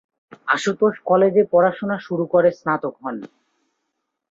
আশুতোষ কলেজে পড়াশোনা শুরু করে স্নাতক হন।